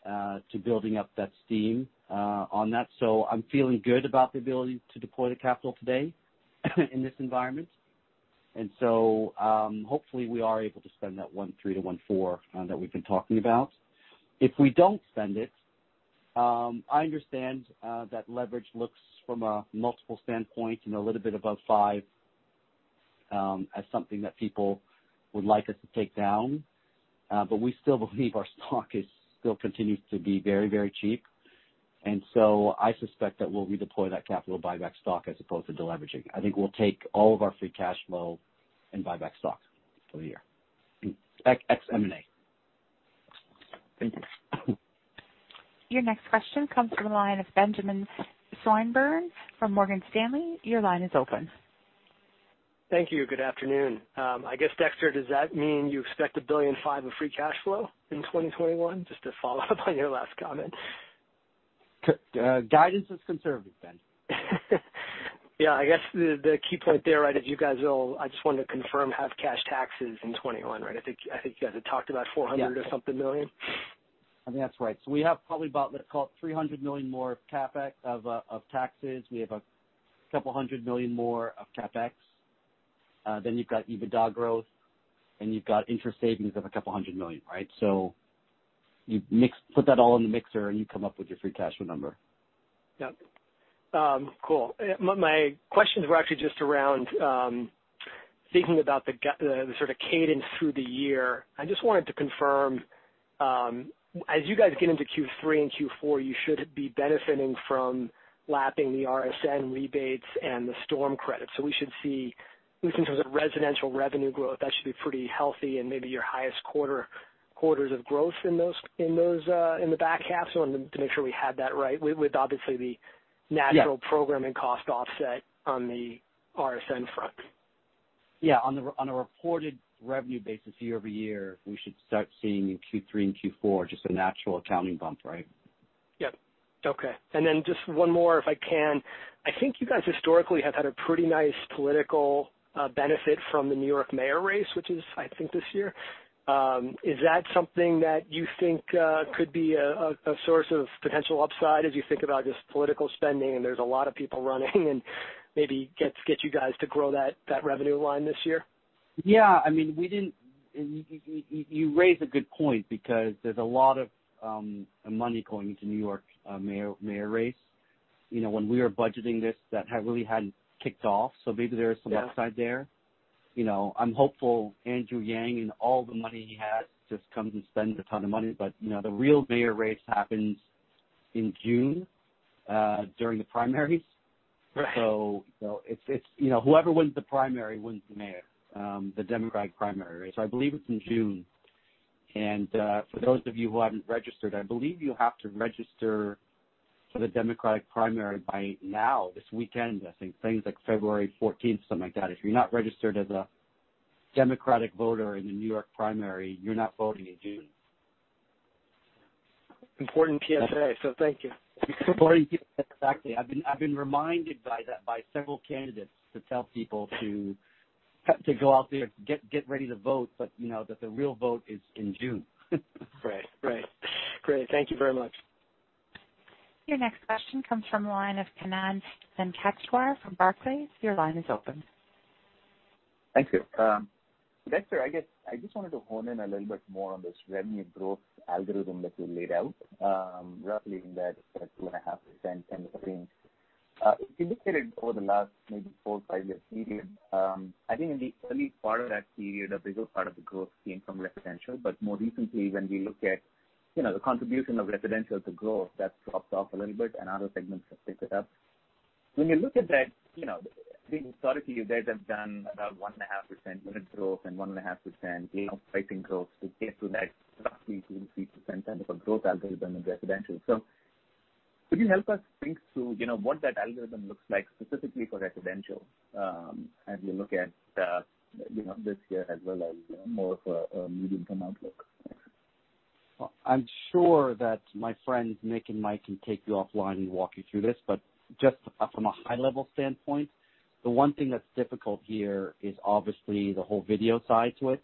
[SPEAKER 3] to building up that steam on that. So I'm feeling good about the ability to deploy the capital today in this environment. And so hopefully we are able to spend that $1.3-$1.4 that we've been talking about. If we don't spend it, I understand that leverage looks from a multiple standpoint, you know, a little bit above five, as something that people would like us to take down. But we still believe our stock is still continues to be very, very cheap. And so I suspect that we'll redeploy that capital buyback stock as opposed to deleveraging. I think we'll take all of our free cash flow and buy back stock for the year, ex M&A.
[SPEAKER 10] Thank you.
[SPEAKER 1] Your next question comes from the line of Benjamin Swinburne from Morgan Stanley. Your line is open.
[SPEAKER 11] Thank you. Good afternoon. I guess, Dexter, does that mean you expect $1.5 billion of free cash flow in 2021? Just to follow up on your last comment.
[SPEAKER 3] Guidance is conservative, Ben.
[SPEAKER 11] Yeah, I guess the key point there, right, is you guys all. I just wanted to confirm, have cash taxes in 2021, right? I think you guys had talked about four hundred-
[SPEAKER 3] Yeah.
[SPEAKER 11] or something million.
[SPEAKER 3] I think that's right. So we have probably about, let's call it, $300 million more CapEx of taxes. We have a couple hundred million more of CapEx. Then you've got EBITDA growth, and you've got interest savings of a couple hundred million, right? So you put that all in the mixer, and you come up with your free cash flow number.
[SPEAKER 11] Yep. Cool. My questions were actually just around thinking about the the sort of cadence through the year. I just wanted to confirm, as you guys get into Q3 and Q4, you should be benefiting from lapping the RSN rebates and the storm credits. So we should see, at least in terms of residential revenue growth, that should be pretty healthy and maybe your highest quarter, quarters of growth in those in the back half. So I wanted to make sure we had that right, with obviously the-
[SPEAKER 3] Yeah...
[SPEAKER 11] natural programming cost offset on the RSN front.
[SPEAKER 3] Yeah, on a reported revenue basis, year-over-year, we should start seeing in Q3 and Q4 just a natural accounting bump, right?
[SPEAKER 11] Yep. Okay. And then just one more, if I can. I think you guys historically have had a pretty nice political benefit from the New York mayor race, which is, I think, this year. Is that something that you think could be a source of potential upside as you think about just political spending, and there's a lot of people running, and maybe get you guys to grow that revenue line this year?...
[SPEAKER 3] Yeah, I mean, we didn't you raise a good point because there's a lot of money going into New York mayor race. You know, when we were budgeting this, that had really hadn't kicked off, so maybe there is some upside there. You know, I'm hopeful Andrew Yang and all the money he has just comes and spends a ton of money. But, you know, the real mayor race happens in June during the primaries.
[SPEAKER 11] Right.
[SPEAKER 3] So it's, you know, whoever wins the primary wins the mayor, the Democratic primary. So I believe it's in June. For those of you who haven't registered, I believe you have to register for the Democratic primary by now, this weekend. I think things like February fourteenth, something like that. If you're not registered as a Democratic voter in the New York primary, you're not voting in June.
[SPEAKER 11] Important PSA, so thank you.
[SPEAKER 3] Important, exactly. I've been reminded by that by several candidates to tell people to go out there, get ready to vote, but you know that the real vote is in June.
[SPEAKER 11] Right. Right. Great. Thank you very much.
[SPEAKER 1] Your next question comes from the line of Kannan Venkateshwar from Barclays. Your line is open.
[SPEAKER 12] Thank you. Dexter, I guess I just wanted to hone in a little bit more on this revenue growth algorithm that you laid out, roughly in that 2.5% kind of range. You indicated over the last maybe four or five year period, I think in the early part of that period, a bigger part of the growth came from residential, but more recently, when we look at, you know, the contribution of residential to growth, that's dropped off a little bit and other segments have picked it up. When you look at that, you know, I think historically you guys have done about 1.5% unit growth and 1.5% pricing growth to get to that roughly 2-3% type of a growth algorithm in residential. Could you help us think through, you know, what that algorithm looks like specifically for residential, as we look at, you know, this year as well as more of a medium-term outlook?
[SPEAKER 3] I'm sure that my friends Nick and Mike can take you offline and walk you through this, but just from a high level standpoint, the one thing that's difficult here is obviously the whole video side to it.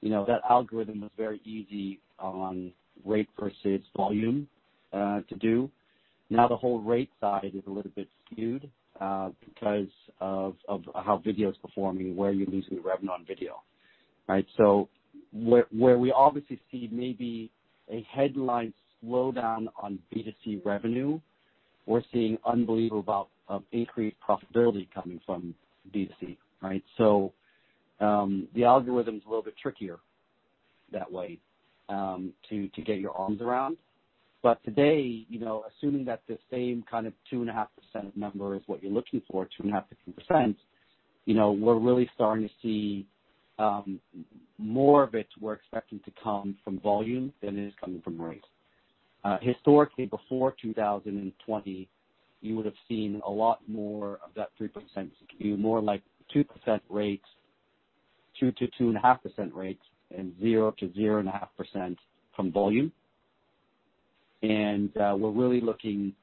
[SPEAKER 3] You know, that algorithm was very easy on rate versus volume, to do. Now, the whole rate side is a little bit skewed, because of how video is performing, where you're losing the revenue on video, right? So where we obviously see maybe a headline slowdown on B2C revenue, we're seeing unbelievable amount of increased profitability coming from B2C, right? So, the algorithm is a little bit trickier that way, to get your arms around. But today, you know, assuming that the same kind of 2.5% number is what you're looking for, 2.5%-3%, you know, we're really starting to see more of it we're expecting to come from volume than it is coming from rate. Historically, before 2020, you would have seen a lot more of that 3%, more like 2% rates, 2-2.5% rates and 0-0.5% from volume. And we're really looking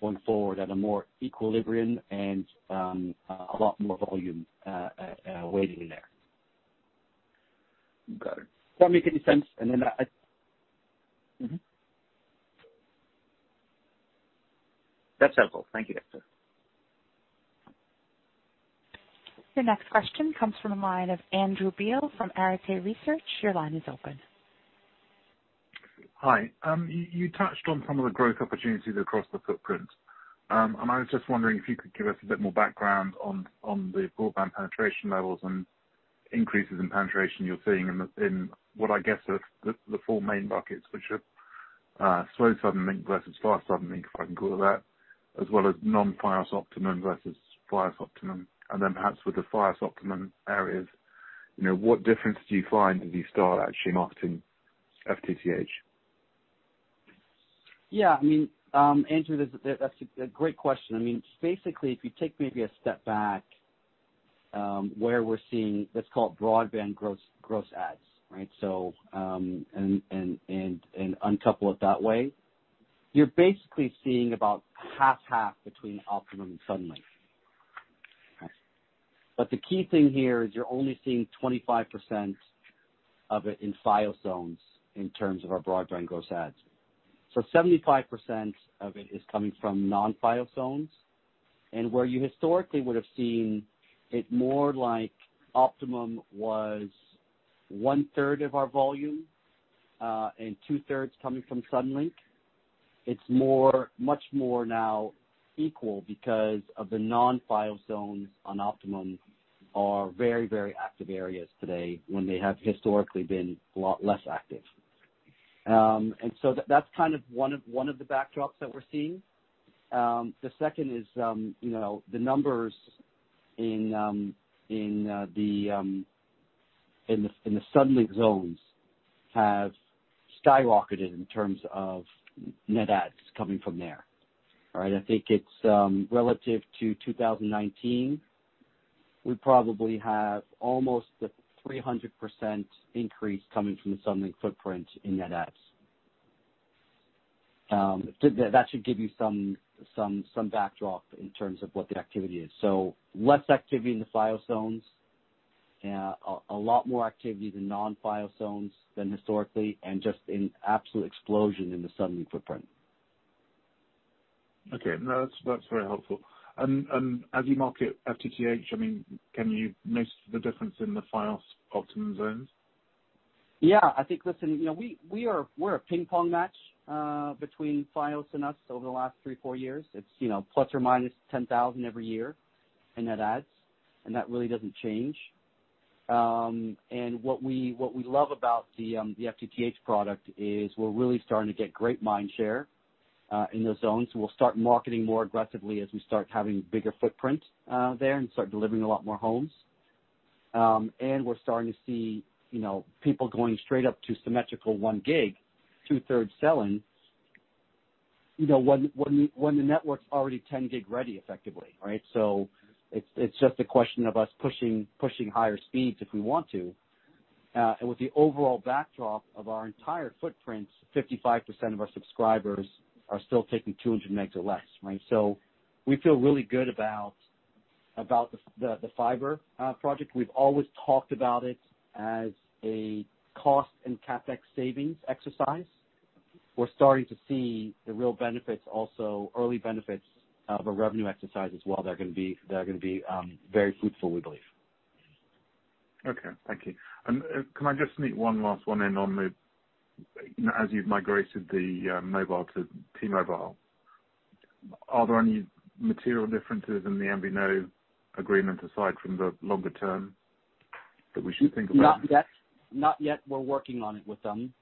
[SPEAKER 3] going forward at a more equilibrium and a lot more volume weighted in there.
[SPEAKER 12] Got it.
[SPEAKER 3] Does that make any sense? And then I-
[SPEAKER 12] That's helpful. Thank you, Dexter.
[SPEAKER 1] Your next question comes from the line of Andrew Beal from Arete Research. Your line is open.
[SPEAKER 13] Hi. You touched on some of the growth opportunities across the footprint. I was just wondering if you could give us a bit more background on the broadband penetration levels and increases in penetration you're seeing in what I guess are the four main markets, which are slow Suddenlink versus fast Suddenlink, if I can call it that, as well as non-Fios Optimum versus Fios Optimum, and then perhaps with the Fios Optimum areas, you know, what difference do you find as you start actually marketing FTTH?
[SPEAKER 3] Yeah, I mean, Andrew, that's a great question. I mean, basically, if you take maybe a step back, where we're seeing what's called broadband gross adds, right, so uncouple it that way, you're basically seeing about half-half between Optimum and Suddenlink, but the key thing here is you're only seeing 25% of it in Fios zones in terms of our broadband gross adds, so 75% of it is coming from non-Fios zones, and where you historically would have seen it more like Optimum was one third of our volume, and two thirds coming from Suddenlink, it's much more now equal because of the non-Fios zones on Optimum are very, very active areas today when they have historically been a lot less active. And so that's kind of one of the backdrops that we're seeing. The second is, you know, the numbers in the Suddenlink zones have skyrocketed in terms of net adds coming from there. All right? I think it's relative to 2019, we probably have almost a 300% increase coming from the Suddenlink footprint in net adds. That should give you some backdrop in terms of what the activity is. So less activity in the Fios zones, a lot more activity in the non-Fios zones than historically, and just an absolute explosion in the Suddenlink footprint....
[SPEAKER 13] Okay. No, that's, that's very helpful. And, and as you market FTTH, I mean, can you notice the difference in the Fios Optimum zones?
[SPEAKER 3] Yeah, I think, listen, you know, we, we are a ping pong match between Fios and us over the last three, four years. It's, you know, plus or minus 10,000 every year, and that adds, and that really doesn't change. And what we, what we love about the FTTH product is we're really starting to get great mind share in those zones. We'll start marketing more aggressively as we start having bigger footprint there, and start delivering a lot more homes. And we're starting to see, you know, people going straight up to symmetrical one gig, two-thirds selling, you know, when, when, when the network's already 10 gig ready effectively, right? So it's just a question of us pushing, pushing higher speeds if we want to. And with the overall backdrop of our entire footprint, 55% of our subscribers are still taking 200 megs or less, right? So we feel really good about the fiber project. We've always talked about it as a cost and CapEx savings exercise. We're starting to see the real benefits, also early benefits of a revenue exercise as well that are gonna be very fruitful, we believe.
[SPEAKER 13] Okay. Thank you. And, can I just sneak one last one in on the, as you've migrated the, mobile to T-Mobile, are there any material differences in the MVNO agreement, aside from the longer term, that we should think about?
[SPEAKER 3] Not yet. Not yet. We're working on it with them.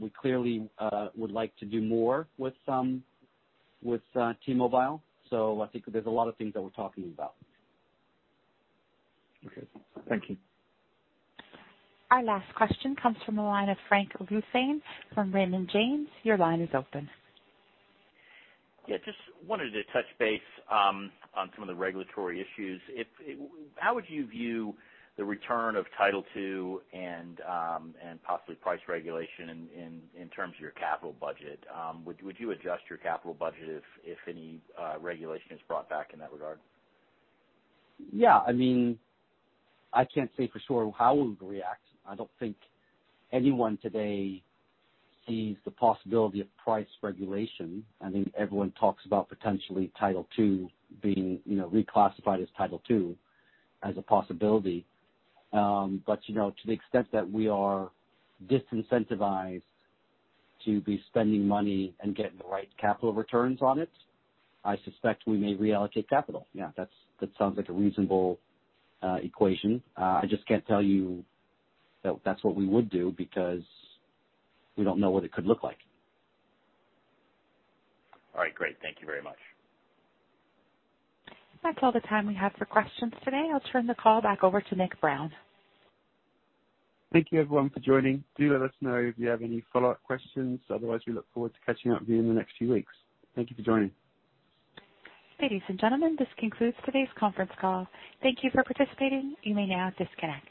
[SPEAKER 3] We clearly would like to do more with them, with T-Mobile, so I think there's a lot of things that we're talking about.
[SPEAKER 13] Okay. Thank you.
[SPEAKER 1] Our last question comes from the line of Frank Louthain from Raymond James. Your line is open.
[SPEAKER 14] Yeah, just wanted to touch base on some of the regulatory issues. How would you view the return of Title II and possibly price regulation in terms of your capital budget? Would you adjust your capital budget if any regulation is brought back in that regard?
[SPEAKER 3] Yeah. I mean, I can't say for sure how we would react. I don't think anyone today sees the possibility of price regulation. I think everyone talks about potentially Title II being, you know, reclassified as Title II as a possibility. But, you know, to the extent that we are disincentivized to be spending money and getting the right capital returns on it, I suspect we may reallocate capital. Yeah, that sounds like a reasonable equation. I just can't tell you that that's what we would do, because we don't know what it could look like.
[SPEAKER 14] All right, great. Thank you very much.
[SPEAKER 1] That's all the time we have for questions today. I'll turn the call back over to Nick Brown.
[SPEAKER 2] Thank you everyone for joining. Do let us know if you have any follow-up questions. Otherwise, we look forward to catching up with you in the next few weeks. Thank you for joining.
[SPEAKER 1] Ladies and gentlemen, this concludes today's conference call. Thank you for participating. You may now disconnect.